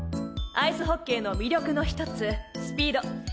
アイスホッケーの魅力のひとつスピード。